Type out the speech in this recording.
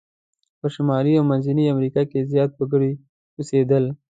په شمالي او منځني امریکا کې زیات وګړي اوسیدل.